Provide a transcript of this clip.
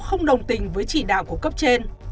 không đồng tình với chỉ đạo của cấp trên